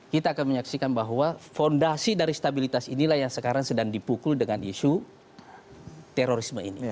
kita akan menyaksikan bahwa fondasi dari stabilitas inilah yang sekarang sedang dipukul dengan isu terorisme ini